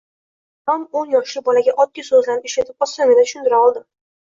va ularni ham o'n yoshli bolaga oddiy so‘zlarni ishlatib osongina tushuntira oldim.